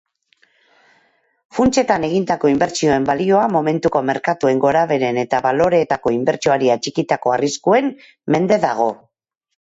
Funtsetan egindako inbertsioen balioa momentuko merkatuen gorabeheren eta baloreetako inbertsioari atxikitako arriskuen mende dago.